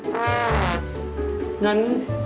อย่างนั้น